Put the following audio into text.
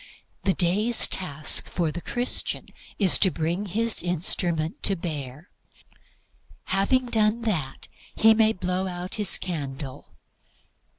The day's task for the Christian is to bring his instrument to bear. Having done that he may blow out his candle.